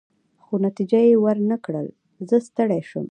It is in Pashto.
خو نتیجه يې ورنه کړل، زه ستړی شوم.